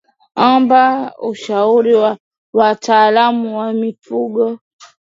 Omba ushauri wa wataalamu wa mifugo